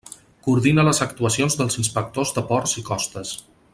Coordina les actuacions dels inspectors de ports i costes.